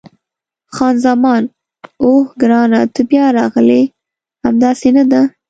خان زمان: اوه، ګرانه ته بیا راغلې! همداسې نه ده؟